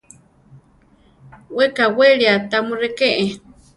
We kawélia ta mu réke.